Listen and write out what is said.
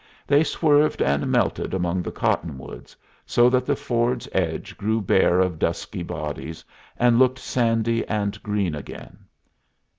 They swerved and melted among the cottonwoods, so that the ford's edge grew bare of dusky bodies and looked sandy and green again.